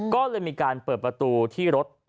ก็เลยมีการเปิดประตูที่รถ